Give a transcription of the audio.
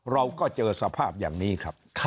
เราก็เจอสภาพอย่างนี้ครับ